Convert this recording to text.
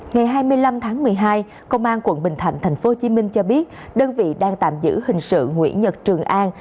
ngày hai mươi năm tháng một mươi hai công an quận bình thạnh tp hcm cho biết đơn vị đang tạm giữ hình sự nguyễn nhật trường an